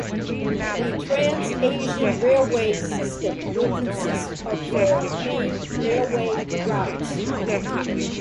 The Trans-Asian Railway system will consist of four main railway routes.